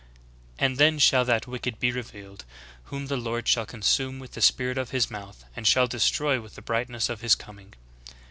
And then shall that Wicked be revealed, whom the Lord shall consume with the spirit of His mouth, and shall destroy with the brightness of His coming."'